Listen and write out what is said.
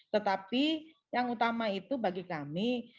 tetapi yang utama itu bagi kami